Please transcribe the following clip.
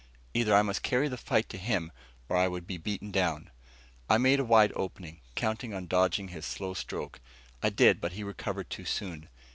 Either I must carry the fight to him, or I would be beaten down. I made a wide opening, counting on dodging his slow stroke. I did, but he recovered too soon.